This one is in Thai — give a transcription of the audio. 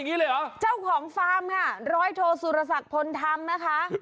นี่เลยเจ้าของฟาร์มค่ะร้อยโทสุรสักพลธรรมนะคะ